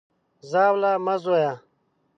ژاوله مه ژویه!